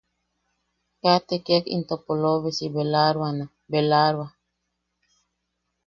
Kaa tekiak into polobesi belaaroane. belaa-roa-.